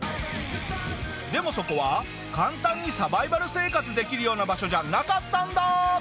でもそこは簡単にサバイバル生活できるような場所じゃなかったんだ。